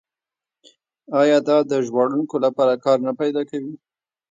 آیا دا د ژباړونکو لپاره کار نه پیدا کوي؟